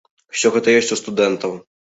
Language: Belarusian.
Усё гэта ёсць у студэнтаў.